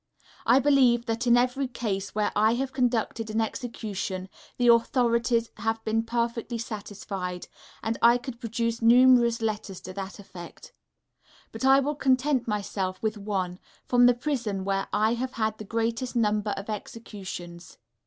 I believe that in every case where I have conducted an execution, the authorities have been perfectly satisfied, and I could produce numerous letters to that effect, but I will content myself with one, from the prison where I have had the greatest number of executions.